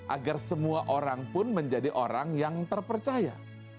agar semua orang pun menjadi orang yang terpercaya